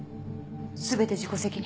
全て自己責任。